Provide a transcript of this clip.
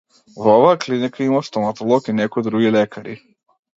Во оваа клиника има стоматолог и некои други лекари.